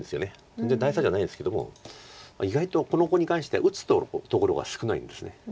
全然大差じゃないんですけども意外とこの碁に関しては打つところが少ないんです。